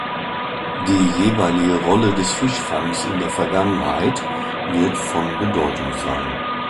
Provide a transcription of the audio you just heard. Die jeweilige Rolle des Fischfangs in der Vergangenheit wird von Bedeutung sein.